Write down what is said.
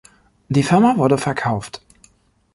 Die Firma wurde verkauft.